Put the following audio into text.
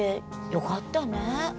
よかったね